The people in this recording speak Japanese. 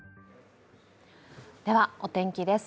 ではお天気です。